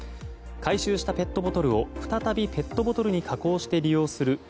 回収したペットボトルを再びペットボトルに加工して利用する